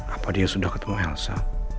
apa dia sudah ketemu elsa